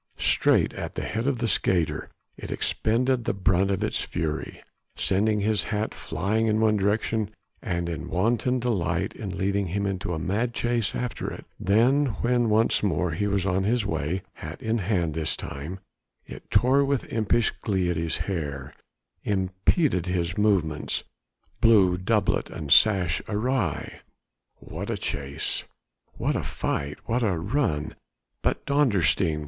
Straight at the head of the skater, it expended the brunt of its fury, sending his hat flying in one direction and in wanton delight leading him into a mad chase after it; then when once more he was on his way hat in hand this time it tore with impish glee at his hair, impeded his movements, blew doublet and sash awry. What a chase! what a fight! what a run! But Dondersteen!